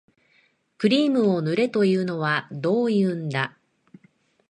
クリームを塗れというのはどういうんだ